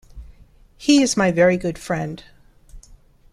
He is my very good friend.